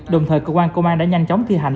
đồng thời công an đã nhanh chóng thi hành